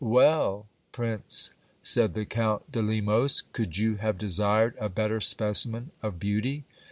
Well ! prince, said the Count de Lemos, could you have desired a better specimen of beauty